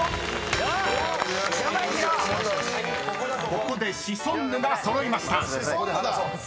［ここでシソンヌが揃いました］